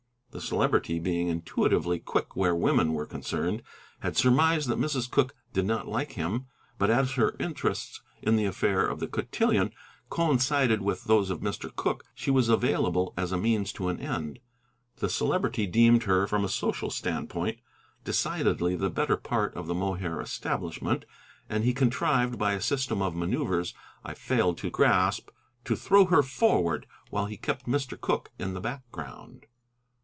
The Celebrity, being intuitively quick where women were concerned, had surmised that Mrs. Cooke did not like him; but as her interests in the affair of the cotillon coincided with those of Mr. Cooke, she was available as a means to an end. The Celebrity deemed her, from a social standpoint, decidedly the better part of the Mohair establishment, and he contrived, by a system of manoeuvres I failed to grasp, to throw her forward while he kept Mr. Cooke in the background.